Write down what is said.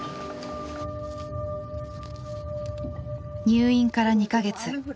入院から２か月。